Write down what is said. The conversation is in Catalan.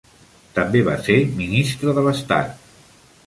També va ser ministre de l'estat.